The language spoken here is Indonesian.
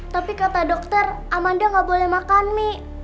tapi kata dokter amanda nggak boleh makan mie